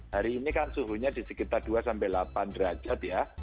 hari ini kan suhunya di sekitar dua sampai delapan derajat ya